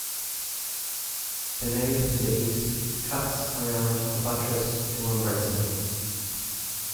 The nave to the east cuts around the buttress to embrace it.